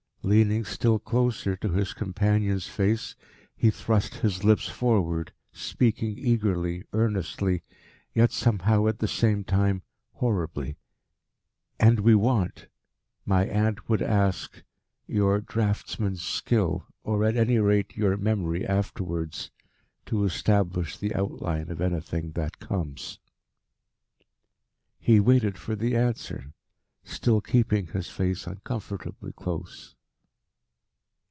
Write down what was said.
Leaning still closer, to his companion's face, he thrust his lips forward, speaking eagerly, earnestly, yet somehow at the same time, horribly: "And we want my aunt would ask your draughtsman's skill, or at any rate your memory afterwards, to establish the outline of anything that comes." He waited for the answer, still keeping his face uncomfortably close.